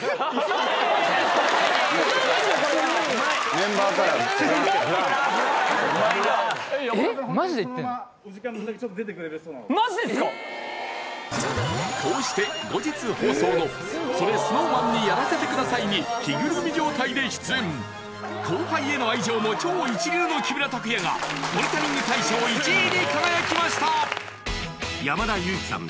ホントにそのままちょっと出てくれるこうして後日放送の「それＳｎｏｗＭａｎにやらせて下さい」に着ぐるみ状態で出演後輩への愛情も超一流の木村拓哉がモニタリング大賞１位に輝きました山田裕貴さん